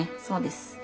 そうです。